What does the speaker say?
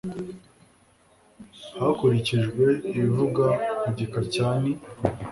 hakurikijwe ibivugwa mu gika cya ni